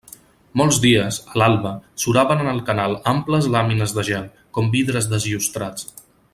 Molts dies, a l'alba, suraven en el canal amples làmines de gel, com vidres desllustrats.